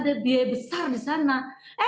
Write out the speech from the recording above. nah bagaimana dengan rakyat